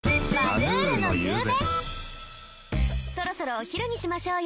そろそろお昼にしましょうよ。